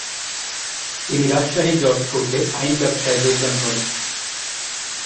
তিনি রাজশাহী জজকোর্টে আইন ব্যবসায় যোগদান করেন।